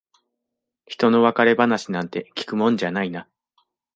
ひとの別れ話なんて聞くもんじゃないな。